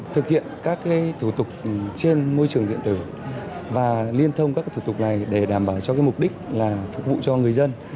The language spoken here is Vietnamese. thực hiện các thủ tục trên môi trường điện tử và liên thông các thủ tục này để đảm bảo cho mục đích là phục vụ cho người dân